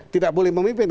tidak boleh memimpin